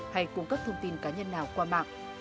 hay cung cấp thông tin cá nhân nào qua mạng